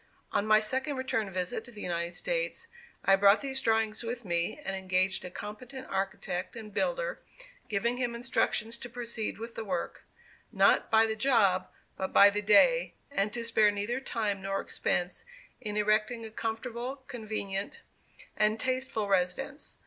On my second return visit to the United States, I brought these drawings with me and engaged a competent architect and builder, giving him instructions to proceed with the work, not "by the job" but "by the day," and to spare neither time nor expense in erecting a comfortable, convenient, and tasteful residence.